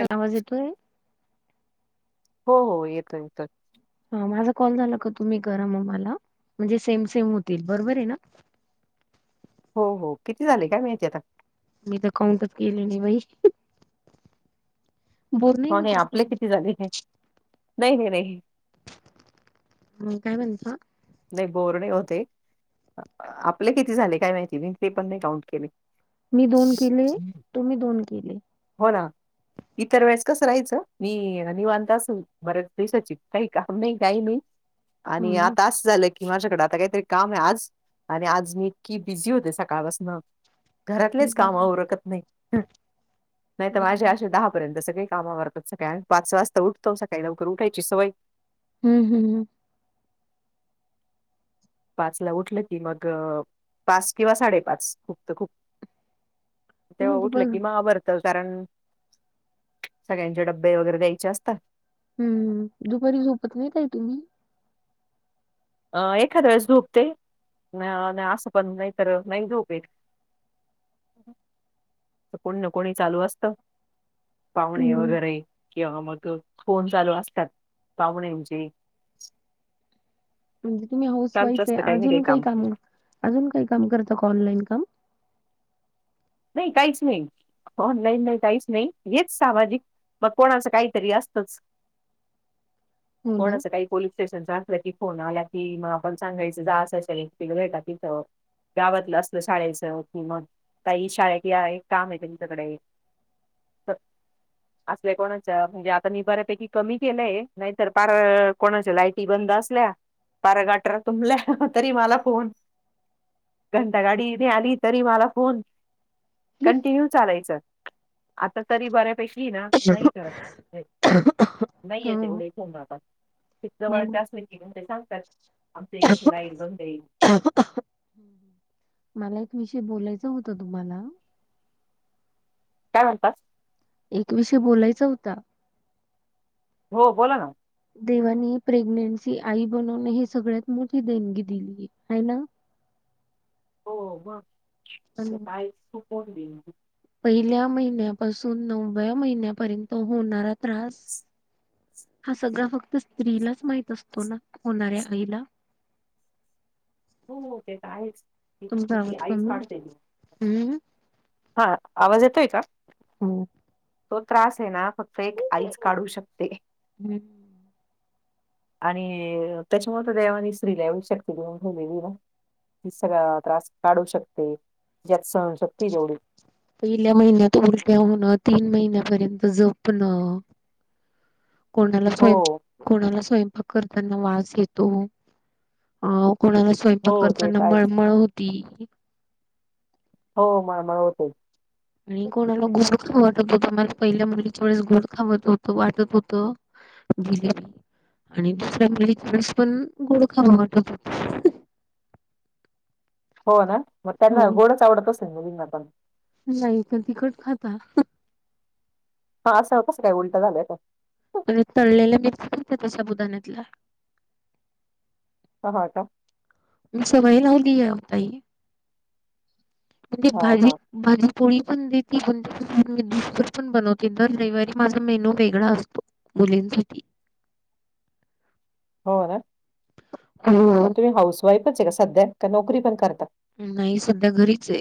Hello! आवाज येतोय? हो हो येतोय येतोय. हा माझा कॉल झाला का तुम्ही करा मग मला म्हणजे, सेम सेम होतील बरोबर आहे ना! हो हो, किती झाले काय माहिती आता? मी त काउंटच केले नाय बाई बोर हो नाही होते आपले किती झाले? नाई, नाई नाई ह काय म्हणता? नाय बोर नाय होत ये, आपले किती झाले काय माहिती नाय, ते पण नाय काउंट केले. मी दोन केले, तुम्ही दोन केले. हो ना. इतर वेळेस कसं राहायचं, मी निवांत असू बरं दिवसाची काही काम नाही काही नाही, हो आणि ना आत अस झालं की, माझ्याकड आता काहीतरी काम ये आज आणि आज मी इतकी बिझी होते सकाळपासन घरातलेच कामं हम्म उरकत नाही. हं नाय तर माझे हम्म असे दहा पर्यंत सगळे काम आवरतात. सकाळी आम्ही पाच वाजता उठतो. लवकर उठायची सवय हूं हूं हूं पाचला उठलं की, मग पाच किंवा साडेपाच खूप तर खूप तेव्हा तुम्ही उठलं दुपार की, म आवरत कारण सगळ्यांचे डब्बे वगैरे द्यायचे असता हम्म, दुपारी झोपत नाही ताई तुम्ही अ एखादया वेळेस झोपते, न न असं पण नायतर नाही झोप येत [inaudible] त कोणी न कोणी चालू असत. पाहुणे हम्म वगैरे किंवा मग फोन चालू असतात. पाहुण्यांचे म्हणजे तुम्ही हाऊस वाईफ ये. अजून काही काम, अजून काय काम करता का ऑनलाईन कामं नाही, काहीच नाही. ऑनलाईन नाही काहीच नाही. हेच सामाजिक मग कोणाचं काहीतरी असतच [inaudible] हो ना कोणाच काही पोलीस स्टेशन असलं, की फोन आला की, म आपण सांगायच जा अशा अशा व्यक्तीला भेटा तिथं गावातलं, असलं शाळेचं की, मग ताई शाळेत या एक काम ये तुमच्याकडे [unintelligible] असल्या कोणाच म्हणजे, आता मी बऱ्यापैकी कमी केलंय, नायतर पार कोणाच्या लाईटी बंद असल्या, पार गटार तुंमल्या, तरी मला फोन घंटा गाडी नाय आली तरी मला फोन कंटिन्यू चालायचं. आता तरी बऱ्यापेकी ये ना नाही करत हे नाही येत हो एवढे फोन आता ते मला जवळचे असले की मंग ते सांगतात. आमच्या इकडची लाईट बंद ये हूं हूं, मला एक विषय बोलायच होत तुम्हाला काय म्हणता? एक विषय बोलायचा होता. हो, बोला ना देवानी प्रेग्नेन्सी आई बनवणं हे सगळ्यात मोठी देणगी दिलीये हाय ना हो म आणि ते [unintelligible] पहिल्या महिन्यापासून, नवव्या महिन्यापर्यंत, होणारा त्रास हा सगळा फक्त स्त्रीलाच माहित असतो ना, होणाऱ्या आईला हो ते त आहेच फक्त तुमचा ती आवाज आईच कमी ये. काढते ती. हम्म हा आवाज येतोय का? हो. तो त्रास हे ना, फक्त एक आईच काढू शकते. हम्म आणि त्याच्यामुळे तर देवानी स्त्रीला येवढी शक्ती देऊन ठेवलेली आहे ना. ती सगळा त्रास काढूच शकते, ज्यात सहन शक्ती होईल. पहिल्या महिन्यात उलट्या होणं तीन महिन्यापर्यंत जपणं कोणालाच हो कोणाला स्वयंपाक करताना वास येतो अ कोणाला स्वयंपाक हो ते करताना तर आहेच मळमळ होती. हो मळमळ होते. आणि कोणाला गोड खाव वाटत होतं मला पहिल्या मुलीच्या वेळेस गोड खाऊ वाटत होतं. जिलेप [unintelligible] आणि दुसऱ्या मुलीच्यावेळेस पण गोड खावा वाटत होत. हो ना मग त्यांना हो गोडच आवडत असेल मुलींना पण नाही त्या तिखट खातात. हा असं काय उलटं झालंय तर आणि तळलेल्या मिरच्या असतात साबुदाण्यातल्या ह हा का मी सवय लावली आहे हो ताई ह म्हणजे हा भाजी हा भाजी पोळी पण देते, म्हणजे मीभर पण [unintelligible] बनवते दर रविवारी माझा मेनू वेगळा असतो. मुलींसाठी. हो ना हो. तुम्ही हाऊस वाईफच आहे का सध्या का नोकरी पण करता? नाही सध्या घरीच आहे.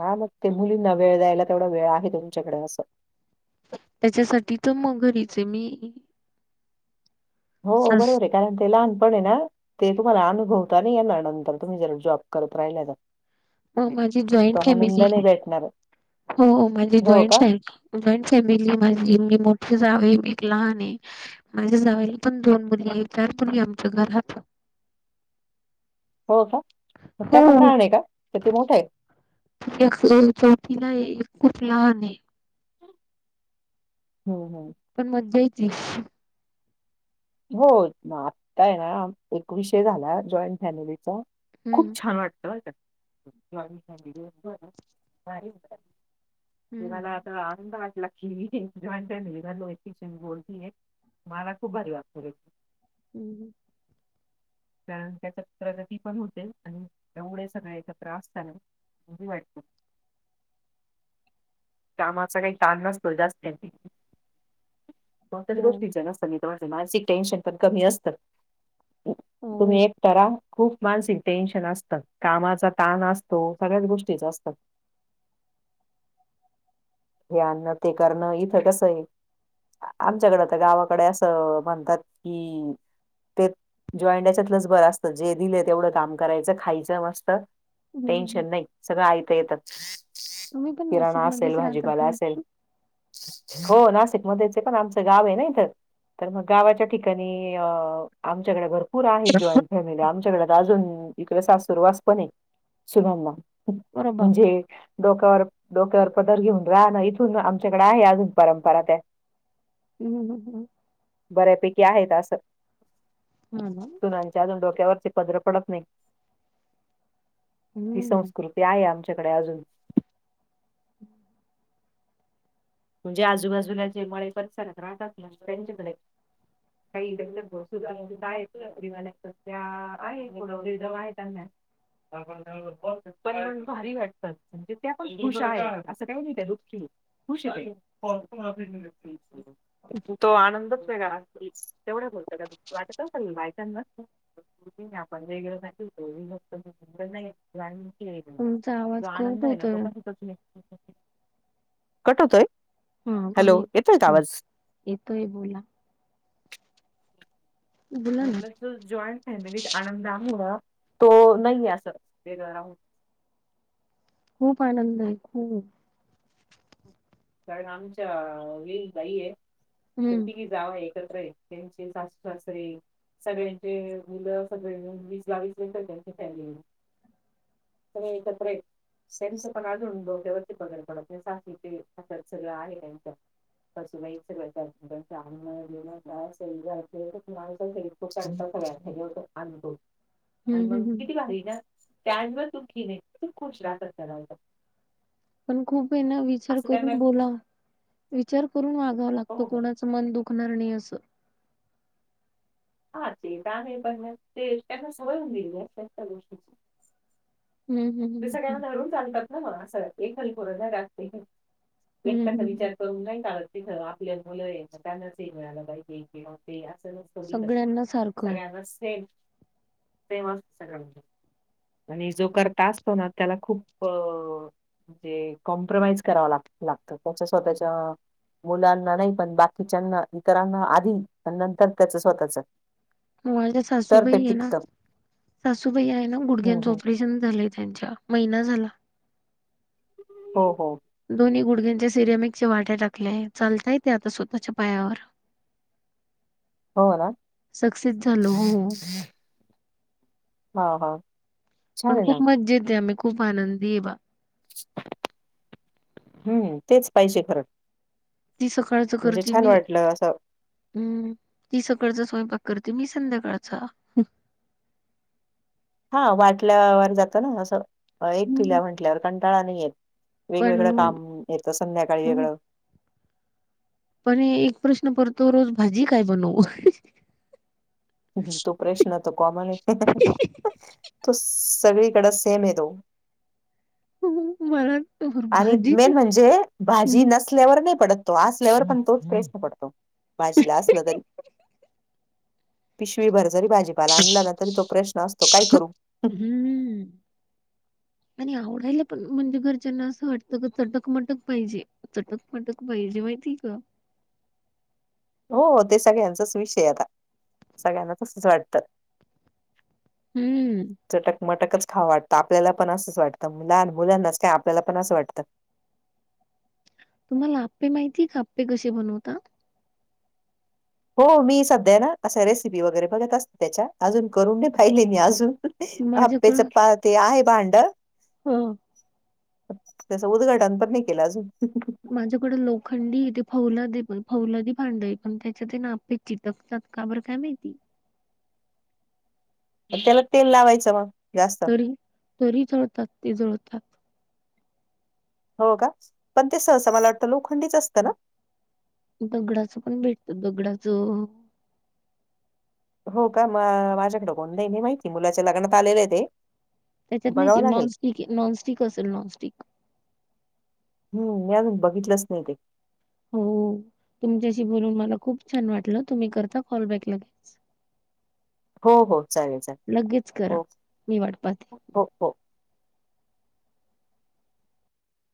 हा मग ते मुलींना वेळ द्यायला तेवढा वेळ आहे तुमच्याकडे असं त्याच्यासाठीच मग घरीच आहे मी. हो सास बरोबर आहे कारण ते लहानपण आहे ना ते तुम्हाला अनुभवता नाही येणार नंतर तुम्ही जर जॉब करत राहिल्या तर हो माझी जॉईंट तो फॅमिली आनंद नाही आहे, भेटणार. हो माझी हो जॉईंट का? फॅमिली फॅमिली माझी मी मोठी जावू आहे आणि एक लहान आहे. माझ्या जावेला पण दोन मुली आहेत चार मुली आमच्या घरात. हो का? हो त्या पण हो. लहान आहेत का? ती मोठ्या आहेत? एक चौथीला आहे. एक खूप लहान आहे हम्म हम्. पण मजा येती. हो ना आत्ताय ना एक विषय झाला जॉईंट फॅमिलीचा खूप छान वाटतं का त्यांना हम्म येलाता आनंद वाटला. नट म लो एकी बोलतीे मला खूप भारी वाात करे [unintelligible] हम्म. कार त्याच्या पत्रा ती पण होते आणि एवढे सगळे एकत्र असताना अज वाळप कामाचा काही ताण नसतो जास्त कोणत्याच हो गोष्टीच न असत मी माझे मानसिक टेन्शन पण कमी असतं. तुम्ही हो एकट रहा खूप मानसिक टेन्शन असत, कामाचा ताण असतो सगळ्याच गोष्टीचा असतात. हे आणणं ते करणं इथं कसं हे आमच्याकडे, तर गावाकडे असं म्हणतात की ते जॉईड, याच्यातलच बंर असत, जे दिले तेवढं काम करायचं खायचं मस्त. हम्म. टेन्शन नाही सगळं आयत येत. तुम्ही पण नाशिक मध्येच राहतात. जायचंय [unintelligible] [inaudible] हो नाशिक मध्येच पण आमचं गाव आहे ना इथं. तर मग गावाच्या ठिकाणी आमच्याकडे भरपूर. पूर आहेत जॉईंड फॅमिली आमच्याकडे तर अजून इकडे सासूर वास पण आहे सुनानां. अरे बाप म्हणजे डोक्यावर डोक्यावर पदर घेऊन. राहाना इथून आमच्याकडे आहे अजून परंपरा त्या. अ ''हं'' अ ''हं'' बऱ्यापैकी आहेत असं. ''हं'' हं'' सुनांच्या डोक्यावरची पदर पडत नाही ही हम्म संस्कृती. हे आहे आमच्याकडे अजून. जे आजूबाजूला जे मळे परिसरात राहतातना त्यांच्याकडे. [inaudible] काहीध आहेत [inaudible] न आहे नवरदेवआहेत त्यांना आर [unintelligible] भरण्यावरून बोलतात पण भारी वाटतात म्हणजे त्या पण खुश आहेत असं काही नाही त्या दुःखी खुश आहेत. [unintelligible] तो आनंदच वेगळा असतो तेवढं बोलतो त्याचं दुःख वाटत असेल ना बाय. त्यांना वाटत असेल आपण दोघींना वेगळं राहिलं विभक्त कुटुंब हे. जॉईड फॅमिलीत तुमचा तो आवाज कट आनंद आहे ना तो होतोय कशातच नाही. कट होतोय. हा, हॅलो कमी येतोय का ह आवाज येतोय बोला. बोला ना म्हटलं ज जॉईंट फॅमिलीत आनंद थोडा आहे तो नाहीये असं वेगळा राहुन. खूप आनंद आहे खूप. कारण आमच्या विहीणबाईये तर हम्म तिघीत. जावा एकत्रय त्यांची सासू सासरे. सगळ्यांचे मुलं सगळे मिळून वीस बाविस सगळ्याची फॅमिली. सगळे एकत्रय अजून [unintelligible] त्यांचे पण डोक्यावरून पदर पडत नाही सासूचे हातात सगळ आहे त्यांच्या. सासुबाईच सगळं करतात आणणं लेन काय असेल घरातले एवढे माणसांच. तो स्वयंपाक घरातला सगळं आणतो. [inaudible] आणि मग हम्म किती भारी ना त्या आईनवरचूक केली किती खुश राहतात बायका. पण खूप हेना विचार असं करून त्यांना बोला विचार करून वागाव लागत हो कोणाच. च मन दुखणार नाही असं. हा, ते तर आहे पण मग ते त्यांना सवय होऊन गेली असल्या गोष्टींची. हम्म हम्म ते हम्म हम्म सगळ्यांना धरून चालतात ना मग असं एक्कलकुरे नाही राहत ते हम्म एकट्याचा हम्म हम्म. विचार. करून नाही चालत नाही तथं आपल्या मुलं ये त्यांनाच हे मिळालं पाहिजे ते असं नसतं. कधीतरी सगळ्यांना सारखं सगळ्यांना सेम. सेम असतं सगळ्यांना आणि जो करता असतो ना त्याला खूप. ते कॉम्प्रोमाइज करावा ला लागतं त्याच्या स्वतःच्या. मुलांना नाही पण बाकीच्याना इतरांना आधी नंतर त्याचं स्वतःच. माझ्या तर सासूबाई ते आहे ना, टिकतं. सासूबाई आहे ना हं, गुडघ्यानच हं. ऑप शन झालंय त्यांच्या महिना झाला. हो हो दोन्ही गुडघ्यांच्या सिरेमिक चे वाट्या टाकल्याय चालताय ते आता स्वतःच्या पायावर. हो ना? सक्सेस झाल हो हा हा पण खूप मजेत आहे आम्ही खूप आनंदी आहे बा. हम्म तेच पाहिजे खर. ती सकाळच करते मी वाटलं असं हम्म ती सकाळचा स्वयंपाक करते, मी संध्याकाळचा. हा वाटल्यावर जातं ना असं हम्म एकटीला म्हंटल्यावर कंटाळा नाही येत. वेगवेगळं काम पण येतं संध्याकाळी वेगळं. पण एक प्रश्न पडतो, रोज भाजी काय बनवू? ह तो प्रश्न तो कॉमन आहे तो सगळीकडे सेम आहे तो. खू मला तर आणि भाजी मेन म्हणजे भाजी हं. नसल्यावर नाही पडत तो असल्यावर, पण तोच प्रशन नाही पडतो. भाजीला असलं तरी पिशवी भर जरी भाजीपाला आणला ना तरी तो, प्रश्न असतो काय करू? हम्म. आणि आवडायला पण म्हणजे घरच्यांना असं वाटत का चटक मटक पाहिजे. चटक पटक पाहिजे, माहिती का? हो ते सगळ्यांचाच विषय आता, सगळ्यांना तसच वाटतं. हम्म चटक मटकच खाव वाटतं आपल्याला पण असंच लहान मुलांनाच काय पण असं वाटतं. तुम्हाला आप्पे माहितीये का? आप्पे कशे बनवता? हो मी सध्या ना अस रेसिपी वगैरे बघत असते त्याच्या अजून करून नाही पाहिले मी अजून. आप्प्याचं माझ्याकडं पा ते आहे भांड. हा त्याचं उद्घाटन पण नाही केलं अजून. माझ्याकडें लोखंडी ते फौलाद पण फौलादी भांड आहे पण त्याच्या त आहे न आपे चिटकतात, का बर काय माहिती? म त्याला तेल लावायचं मग जास तरी तरी जळतात ते जळतात. हो का, पण ते सहस मला वाटतं लोखंडीच असतं ना. दगडाचं पण भेटत दगडाचं. हो का माझ्याकडे कोणत आहे नी माहिती मुलाच्या लग्नात आलेले आहे ते. त्याच्यात नाही ची बघावं लागेल. नॉनस्टिक नॉनस्टिक असेल नॉनस्टिक. हम्म मी अजून बघितलंच नाही ते. हो तुमच्याशी बोलून मला खूप छान वाटलं, तुम्ही करता कॉलबॅक लगेलच. हो हो चालेल चालेल. लगेच करा हो मी वाट पाहते. हो हो